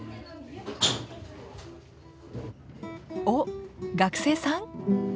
お学生さん？